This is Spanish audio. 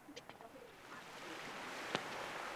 A partir de las ya inicia el proceso de calentamiento.